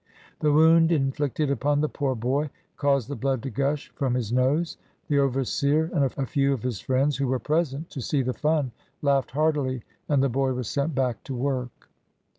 The wound inflicted upon the poor boy caused the blood to gush from his nose. The overseer, and a few of his friends who were present to see the fun, laughed heartily, and the boy was sent back to work.